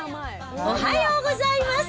おはようございます。